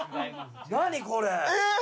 何これ？